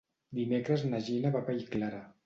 Dimecres na Gina va a Vallclara.